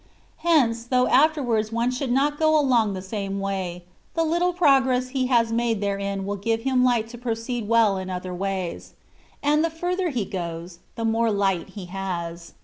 Hence, though afterwards one should not go along the same way, the little progress he has made therein will give him light to proceed well in other ways ; and the further he goes, the THE WAT OP PERPECTION. 101 more light he has.